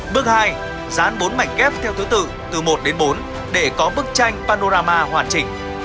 bước hai dán bốn mảnh ghép theo thứ tự từ một đến bốn để có bức tranh panorama hoàn chỉnh